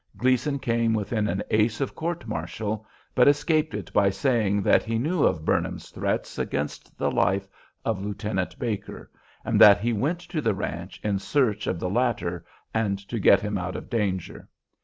Gleason came within an ace of court martial, but escaped it by saying that he knew of "Burnham's" threats against the life of Lieutenant Baker, and that he went to the ranch in search of the latter and to get him out of danger.